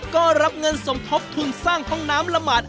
ก็รับเงินสมทบทุนสร้างห้องน้ำละหมาด